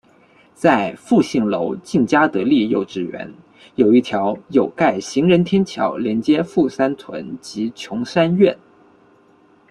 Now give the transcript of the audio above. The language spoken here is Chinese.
在富信楼近嘉德丽幼稚园有一条有盖行人天桥连接富山邨及琼山苑。